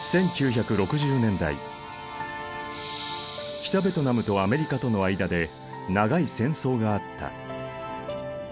北ベトナムとアメリカとの間で長い戦争があった。